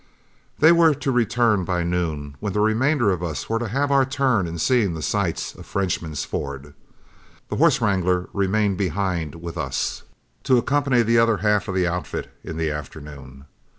They were to return by noon, when the remainder of us were to have our turn in seeing the sights of Frenchman's Ford. The horse wrangler remained behind with us, to accompany the other half of the outfit in the afternoon.